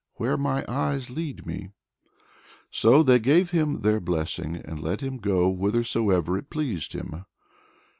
"Where my eyes lead me." So they gave him their blessing, and let him go whithersoever it pleased him.